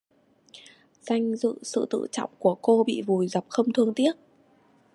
Danh dự sự tự trọng của cô bị vùi dập không thương tiếc